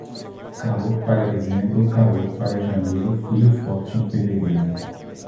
Calor para dezembro, calor para janeiro, frio forte em fevereiro.